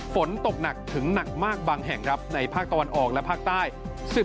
ฝนตกหนักถึงหนักมากบางแห่งครับในภาคตะวันออกและภาคใต้